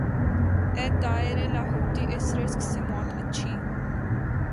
اے طائر لاہوتی اس رزق سے موت اچھی